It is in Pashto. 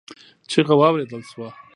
چيغه واورېدل شوه.